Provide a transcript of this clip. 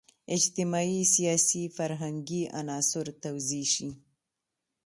اجتماعي، سیاسي، فرهنګي عناصر توضیح شي.